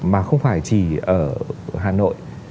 mà không phải chỉ ở hà nội